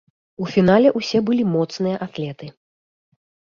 У фінале ўсе былі моцныя атлеты.